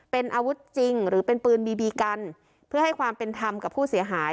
เป็นอาวุธจริงหรือเป็นปืนบีบีกันเพื่อให้ความเป็นธรรมกับผู้เสียหาย